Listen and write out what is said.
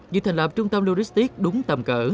như thành lập trung tâm luristic đúng tầm cỡ